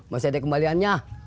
mas ada kembaliannya